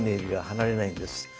離れないんですよ。